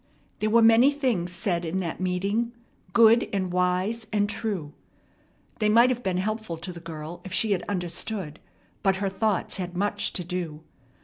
There were many things said in that meeting, good and wise and true. They might have been helpful to the girl if she had understood, but her thoughts had much to do.